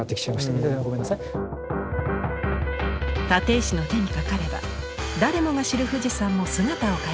立石の手にかかれば誰もが知る富士山も姿を変えます。